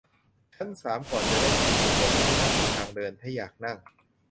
ชั้นสามก่อนจะได้ฉีดมีเก้าอี้ให้นั่งตรงทางเดิน ถ้าอยากนั่ง